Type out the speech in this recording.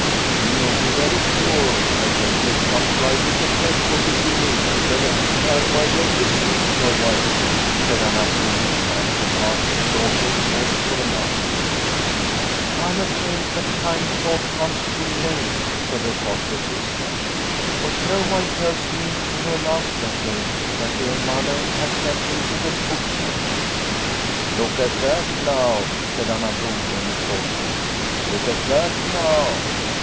" You may be very sure I shall take some slices of bread for Big Billy the next time I go to see Snow White," said Anna Brogren as the Pastor's daughter paused for a moment. " I am afraid the kind thought comes too late," said her foster sister. " For Snow White tells me in her last letter that dear Mother has sent him to the butcher." Snow White 7 1 " Look at that now," said Anna Brogren thoughtfully, " look at that now